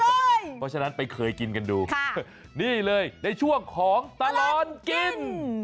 เพราะฉะนั้นไปเคยกินกันดูนี่เลยในช่วงของตลอดกิน